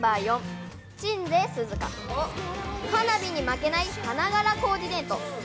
「花火に負けない花柄コーディネート。